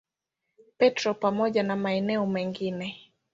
Petro pamoja na maeneo mengine.